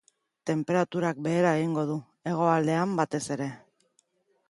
Tenperaturak behera egingo du, hegoaldean batez ere.